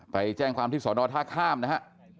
ไปแจ้งความพี่สอดนวดท่าข้ามนะครับ